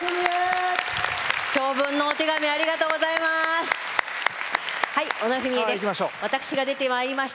長文のお手紙ありがとうございました。